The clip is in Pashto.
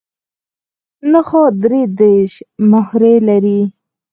نخاع درې دیرش مهرې لري.